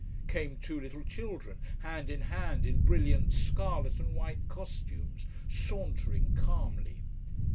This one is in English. Came two little children hand in hand in brilliant scarlet and white costumes, sauntering calmly.